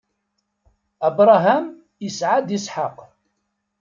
Abṛaham isɛa-d Isḥaq.